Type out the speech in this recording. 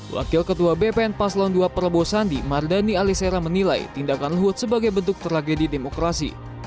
wakil ketua bpn paslon ii prabowo sandi mardani alisera menilai tindakan luhut sebagai bentuk tragedi demokrasi